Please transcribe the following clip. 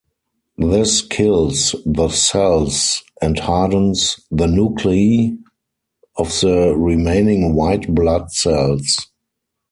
This kills the cells and hardens the nuclei of the remaining white blood cells.